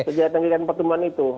kegiatan kegiatan pertemuan itu